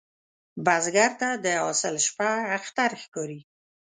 بزګر ته د حاصل شپه اختر ښکاري